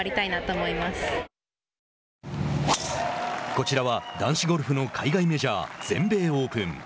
こちらは男子ゴルフの海外メジャー、全米オープン。